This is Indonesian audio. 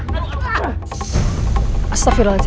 kamu teringat apa lagi tadi